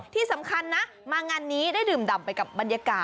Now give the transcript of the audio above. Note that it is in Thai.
ที่สำคัญนะมางานนี้ได้ดื่มดำไปกับบรรยากาศ